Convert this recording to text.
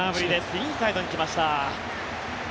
インサイドに来ました。